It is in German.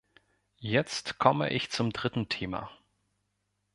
Jetzt komme ich zum dritten Thema.